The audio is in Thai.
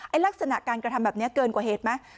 ลักษณะการกระทำแบบนี้เกินกว่าเหตุไหม